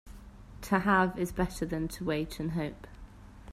To have is better than to wait and hope.